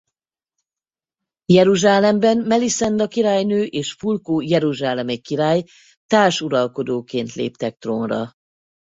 Jeruzsálemben Melisenda királynő és Fulkó jeruzsálemi király társuralkodóként léptek trónra.